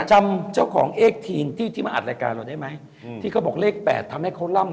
จำเจ้าของเอกทีนที่ที่มาอัดรายการเราได้ไหมที่เขาบอกเลขแปดทำให้เขาร่ำ